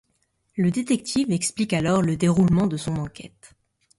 Le détective explique alors le déroulement de son enquête.